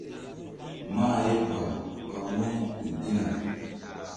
Mah ye ba ɓa wu̧y riŋ ɗina.